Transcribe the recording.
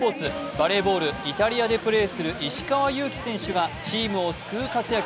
バレーボール、イタリアでプレーする石川祐希選手がチームを救う活躍。